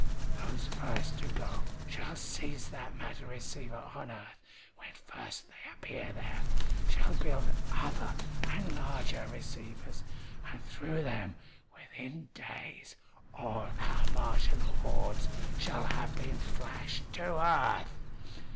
Those first to go shall seize that matter receiver on earth when first they appear there, shall build other and larger receivers, and through them within days all our Martian hordes shall have been flashed to earth!